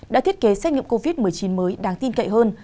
đã thiết kế xét nghiệm covid một mươi chín mới đáng tin cậy hơn